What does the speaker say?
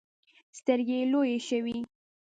سترګې يې لویې شوې.